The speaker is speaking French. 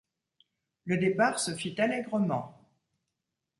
Le départ se fit allégrement.